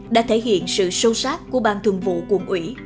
đã thể hiện sự sâu sát của ban thường vụ quận ủy